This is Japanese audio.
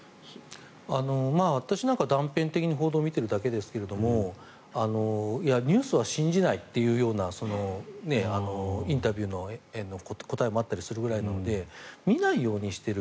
私なんか、断片的に報道を見ているだけですがニュースは信じないというインタビューの答えもあったりするぐらいなので見ないようにしている。